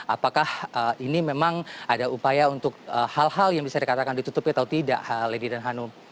apakah ini memang ada upaya untuk hal hal yang bisa dikatakan ditutupi atau tidak lady dan hanum